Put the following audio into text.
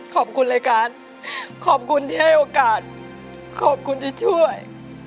ขอบคุณรายการขอบคุณที่ให้โอกาสขอบคุณที่ช่วย